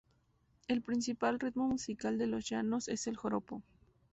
El principal ritmo musical de los Llanos es el joropo.